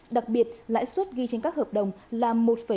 đặc biệt lãi suất ghi trên các hợp đồng là một ba